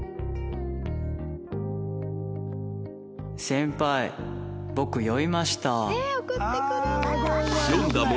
「先輩僕酔いました」